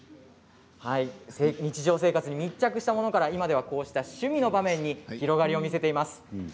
日常生活に密着したものからこうした趣味の場面に広がりを見せています。